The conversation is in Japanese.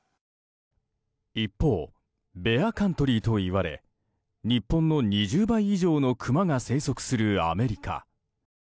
一方、ベアカントリーといわれ日本の２０倍以上のクマが生息するアメリカ。